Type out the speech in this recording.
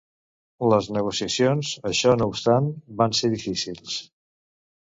Les negociacions, això no obstant, van ser difícils.